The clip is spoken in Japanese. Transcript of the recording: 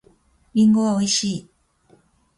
りんごは美味しい。